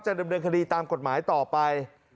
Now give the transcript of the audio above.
ดำเนินคดีตามกฎหมายต่อไป